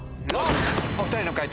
お２人の解答